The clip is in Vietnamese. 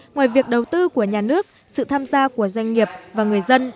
ngoài việc đầu tư của nhà nước sự tham gia của doanh nghiệp và người dân